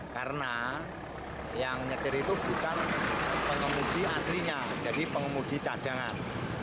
karena yang nyetir itu bukan pengemudi aslinya jadi pengemudi cadangan